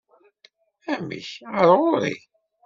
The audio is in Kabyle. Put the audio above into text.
Amek, ɣer ɣur-i?